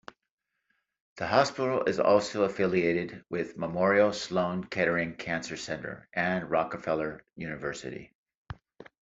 The hospital is also affiliated with Memorial Sloan-Kettering Cancer Center, and Rockefeller University.